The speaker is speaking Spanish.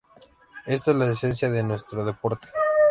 Esta es la esencia de nuestro deporte.